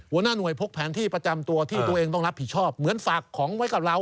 หัวหน้าหน่วยพกแผนที่ประจำตัวที่ตัวเองต้องรับผิดชอบเหมือนฝากของไว้กับเรา